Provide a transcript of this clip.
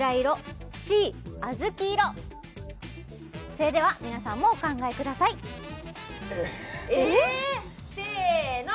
それでは皆さんもお考えくださいえせの！